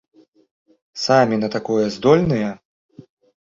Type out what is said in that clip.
Самі на такое здольныя?